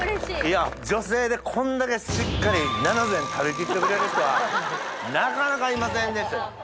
いや女性でこんだけしっかり７膳食べきってくれる人はなかなかいませんでしたよ。